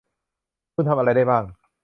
คุณทำอะไรได้บ้าง ?